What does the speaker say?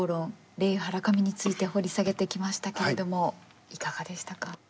レイ・ハラカミについて掘り下げてきましたけれどもいかがでしたか？